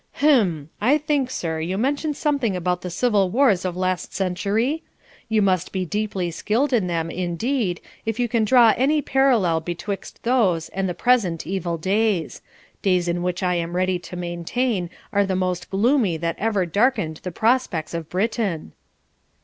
'Hem! I think, sir, you mentioned something about the civil wars of last century? You must be deeply skilled in them, indeed, if you can draw any parallel betwixt those and the present evil days days which I am ready to maintain are the most gloomy that ever darkened the prospects of Britain.'